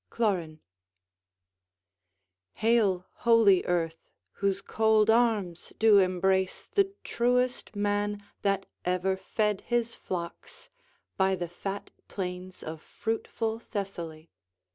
] CLORIN Hail, holy earth, whose cold arms do embrace The truest man that ever fed his flocks By the fat plains of fruitful Thessaly.